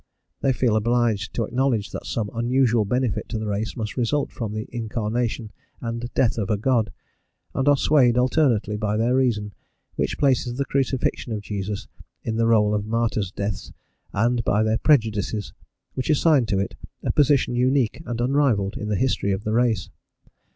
They feel obliged to acknowledge that some unusual benefit to the race must result from the incarnation and death of a God, and are swayed alternately by their reason, which places the crucifixion of Jesus in the roll of martyrs' deaths, and by their prejudices, which assign to it a position unique and unrivalled in the history of the race.